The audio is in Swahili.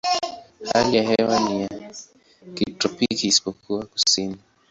Hali ya hewa ni ya kitropiki isipokuwa kusini.